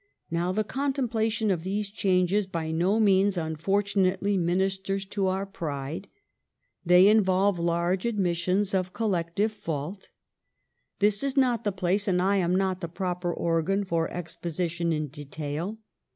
Now the contemplation of these changes by no means un fortunately ministers to our pride. They involve large admissions of collective fault. This is not the place, and I am not the proper organ, for expo sition in detail.